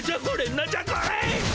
なんじゃこれ？